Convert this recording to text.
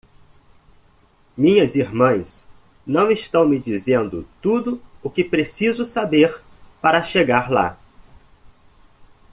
Minhas irmãs não estão me dizendo tudo o que preciso saber para chegar lá.